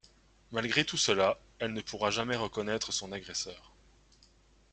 Malgré tout cela, elle ne pourra jamais reconnaître son agresseur.